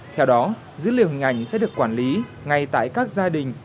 theo đó dữ liệu hình ảnh sẽ được quản lý ngay tại các gia đình